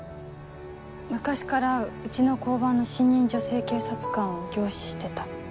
昔からうちの交番の新任女性警察官を凝視してた。